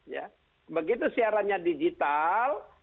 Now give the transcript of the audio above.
ya begitu siarannya digital